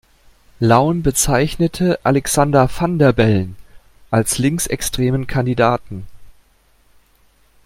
Laun bezeichnete Alexander Van der Bellen als „links-extremen Kandidaten“.